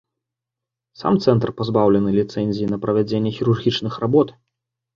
Сам цэнтр пазбаўлены ліцэнзіі на правядзенне хірургічных работ.